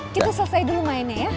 kita selesai dulu mainnya ya